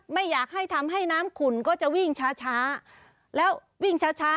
ไม่อยากให้ทำให้น้ำขุ่นก็จะวิ่งช้าช้าแล้ววิ่งช้าช้า